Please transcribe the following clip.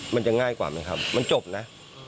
มันจะง่ายกว่าไหมครับมันจบนะ